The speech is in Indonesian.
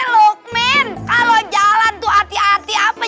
lokmen kalau jalan tuh hati hati apa